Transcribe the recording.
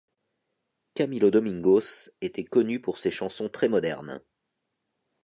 Camilo Domingos était connu pour ses chansons très modernes.